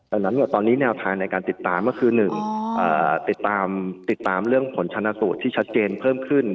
ดังนั้นตอนนี้แนวทางในการติดตามก็คือ๑ติดตามเรื่องผลชนะสูตรที่ชัดเจนเพิ่มขึ้น